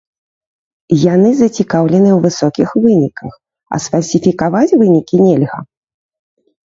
Яны зацікаўленыя ў высокіх выніках, а сфальсіфікаваць вынікі нельга.